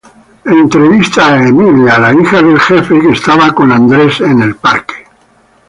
Entrevista a Emily, la hija del jefe, que estaba con Andrew en el parque.